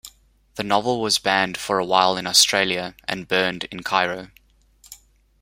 The novel was banned for a while in Australia and burned in Cairo.